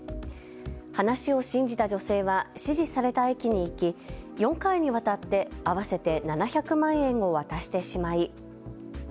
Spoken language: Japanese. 話を信じた女性は指示された駅に行き４回にわたって合わせて７００万円を渡してしまい。